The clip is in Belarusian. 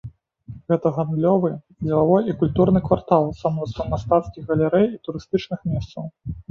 Гэта гандлёвы, дзелавой і культурны квартал са мноствам мастацкіх галерэй і турыстычных месцаў.